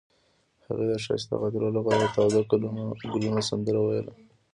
هغې د ښایسته خاطرو لپاره د تاوده ګلونه سندره ویله.